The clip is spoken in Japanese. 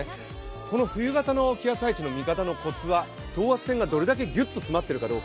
この冬型の気圧配置の見方のコツは等圧線がどれだけ詰まっているかどうか。